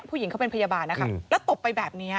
ผู้หญิงเขาเป็นพยาบาลนะคะแล้วตบไปแบบนี้